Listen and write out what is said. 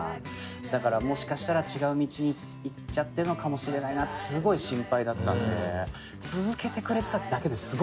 だからもしかしたら違う道に行っちゃってるのかもしれないなってすごい心配だったので続けてくれてたってだけですごい嬉しい。